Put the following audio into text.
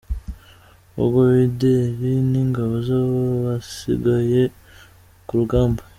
Ubwo Bideri n’ingabo zabobasigaye ku rugamba.